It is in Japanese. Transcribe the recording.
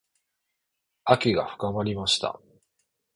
秋が深まりました。